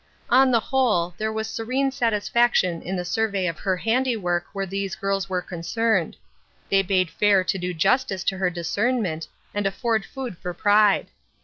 On the whole, there was serene satisfaction in the survey of her handiwork where these girls were concerned ; they bade fair to do justice to her discernment, and afford food for pride.